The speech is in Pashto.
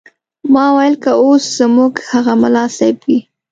ما ویل که اوس زموږ هغه ملا صیب وي.